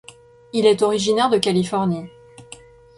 Il est originaire de Californie.